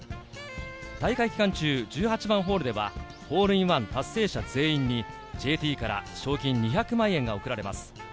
大会期間中、１８番ホールではホールインワン達成者全員に、ＪＴから賞金２００万円が贈られます。